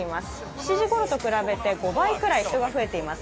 ７時ごろと比べて５倍くらい人が増えています。